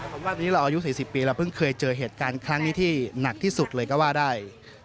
ผมว่านี้เราอายุ๔๐ปีเราเพิ่งเคยเจอเหตุการณ์ครั้งนี้ที่หนักที่สุดเลยก็ว่าได้